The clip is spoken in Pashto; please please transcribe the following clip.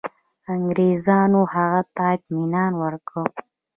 انګرېزانو هغه ته اطمیان ورکړ.